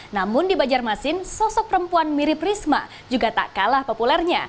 namun di banjarmasin sosok perempuan mirip risma juga tak kalah populernya